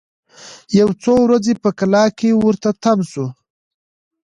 یو څو ورځي په کلا کي ورته تم سو